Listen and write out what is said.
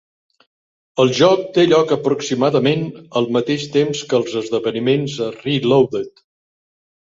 El joc té lloc aproximadament al mateix temps que els esdeveniments a "Realoaded".